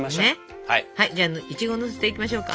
じゃあいちごをのせていきましょうか。